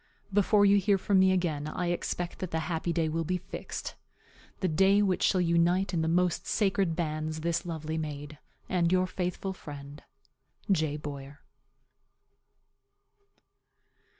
Before you hear from me again I expect that the happy day will be fixed the day which shall unite in the most sacred bands this lovely maid and your faithful friend, J. BOYER.